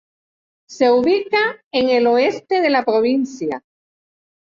Se ubica en el oeste de la provincia.